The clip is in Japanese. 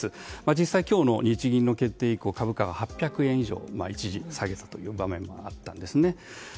実際、今日の日銀の決定以降株価が８００円以上一時下げたという場面もあったんですね。